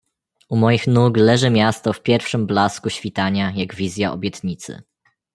"U moich nóg leży miasto w pierwszym blasku świtania jak wizja obietnicy."